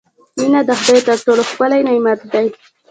• مینه د خدای تر ټولو ښکلی نعمت دی.